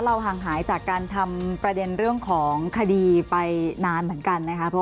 เราห่างหายหลังการทำประเด็นของคดีไปนานเหมือนกันนะครับ